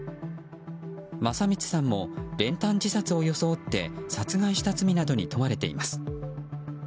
聖光さんも練炭自殺を装って殺害した罪などに問われています。